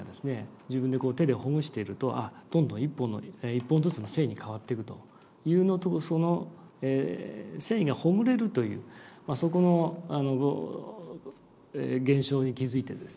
自分でこう手でほぐしているとあっどんどん一本ずつの繊維に変わっていくというのとその繊維がほぐれるというそこの現象に気付いてですね